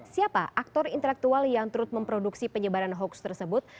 siapa aktor intelektual yang turut memproduksi penyebaran hoax tersebut